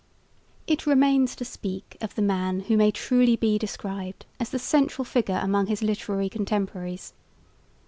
It remains to speak of the man who may truly be described as the central figure among his literary contemporaries.